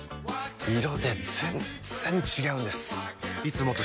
色で全然違うんです！